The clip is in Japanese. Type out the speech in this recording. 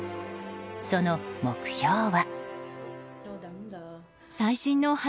その目標は。